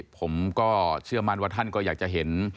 ผมก็เชื่อมั่นว่าท่านก็อยากจะเห็น